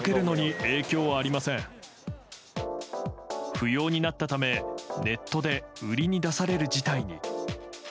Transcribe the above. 不要になったためネットで売りに出される事態に。